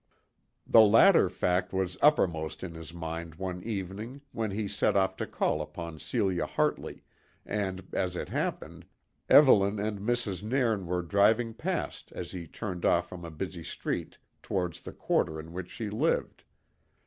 The latter fact was uppermost in his mind one evening when he set off to call upon Celia Hartley, and, as it happened, Evelyn and Mrs. Nairn were driving past as he turned off from a busy street towards the quarter in which she lived.